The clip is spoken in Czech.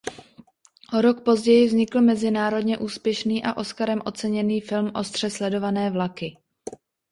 O rok později vznikl mezinárodně úspěšný a Oscarem oceněný film "Ostře sledované vlaky".